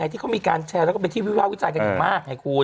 ที่เขามีการแชร์และเป็นที่วิววาลวิจัยกันอย่างมาก